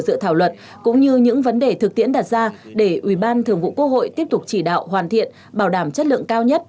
các đại biểu quốc hội cũng như những vấn đề thực tiễn đặt ra để ubthqh tiếp tục chỉ đạo hoàn thiện bảo đảm chất lượng cao nhất